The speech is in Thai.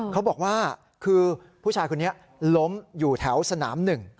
เขาบอกว่าคือผู้ชายคนนี้ล้มอยู่แถวสนามหนึ่ง